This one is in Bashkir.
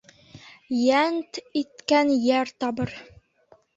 Йәнт иткән йәр табыр.